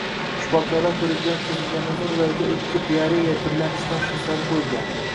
Shifokorlar koʻrigidan oʻtkazilgandan soʻng, ularga “oʻtkir diareya” birlamchi tashxislari qoʻyilgan.